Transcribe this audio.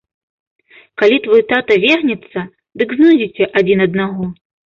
Калі твой тата вернецца, дык знойдзеце адзін аднаго.